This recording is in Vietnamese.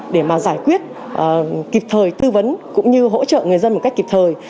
để mà giải quyết kịp thời tư vấn cũng như hỗ trợ người dân một cách kịp thời